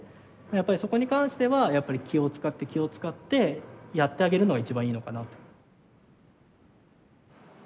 やっぱりそこに関してはやっぱり気を遣って気を遣ってやってあげるのが一番いいのかなって。